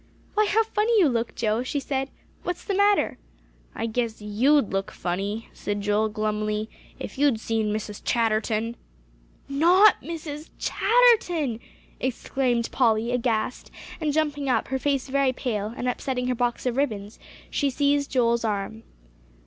"Why, how funny you look, Joe!" she said. "What is the matter?" "I guess you'd look funny," said Joel glumly, "if you'd seen Mrs. Chatterton." "Not Mrs. Chatterton!" exclaimed Polly aghast; and jumping up, her face very pale, and upsetting her box of ribbons, she seized Joel's arm.